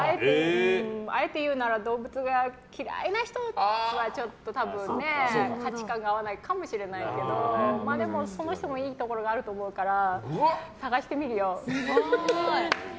あえて言うなら動物が嫌いな人はちょっと多分、価値観が合わないかもしれないけどでも、その人もいいところがあると思うからすごい！